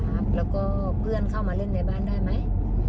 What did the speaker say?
แล้วก็เพื่อนเข้ามาเล่นในบ้านได้ไหม